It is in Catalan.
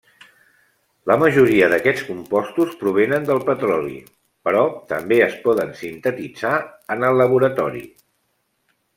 La majoria d'aquests compostos provenen del petroli però també es poden sintetitzar en el laboratori.